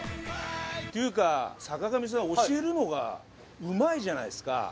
っていうか坂上さん教えるのがうまいじゃないですか。